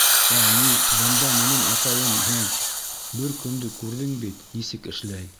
— Ә, ни, бында минең атайым һуң, бер көндө күрҙең бит, нисек эшләй?!